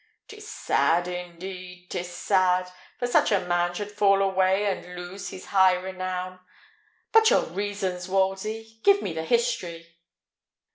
'Tis sad, indeed 'tis sad, that such a man should fall away and lose his high renown! But your reasons, Wolsey! Give me the history."